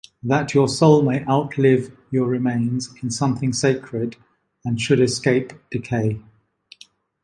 That your soul may outlive your remains in something sacred and should escape decay...